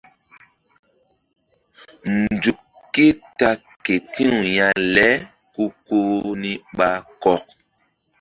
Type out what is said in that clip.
Nzuk ké ta ke ti̧w ya le ku koni ɓa kɔk.